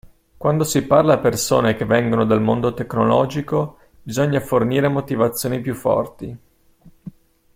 Quando si parla a persone che vengono dal mondo tecnologico bisogna fornire motivazioni più forti.